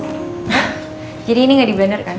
hah jadi ini gak di blender kan